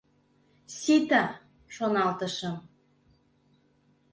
Сита, шоналтышым.